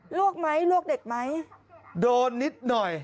รวกนะคะเด็ก